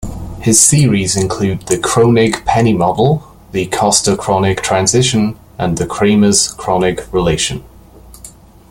His theories include the Kronig-Penney model, the Coster-Kronig transition and the Kramers-Kronig relation.